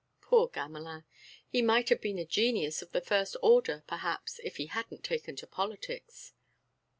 Poor Gamelin! He might have been a genius of the first order, perhaps, if he hadn't taken to politics."